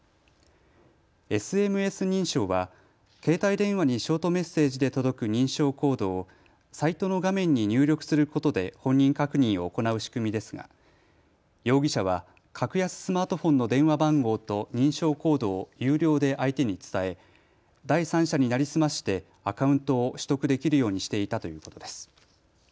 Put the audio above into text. ＳＭＳ認証は携帯電話にショートメッセージで届く認証コードをサイトの画面に入力することで本人確認を行う仕組みですが容疑者は格安スマートフォンの電話番号と認証コードを有料で相手に伝え第三者に成り済ましてアカウントを取得できるようにしていたということです。